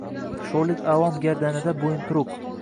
Shoʼrlik avom gardanida boʼyinturuq.